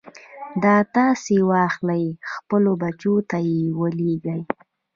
دا تاسې واخلئ خپلو بچو ته يې ولېږئ.